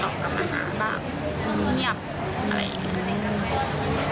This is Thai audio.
แต่ตอนผมโทษลูกน้องใหม่ก็ยังไม่เยี่ยมไม่เย็น